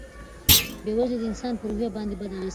بېوزلي د انسان په روحیه باندې بد اغېز کوي.